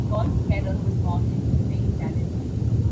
Paul Scherrer was born in St.Gallen.